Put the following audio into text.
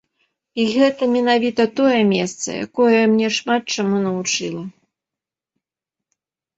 І гэта менавіта тое месца, якое мяне шмат чаму навучыла.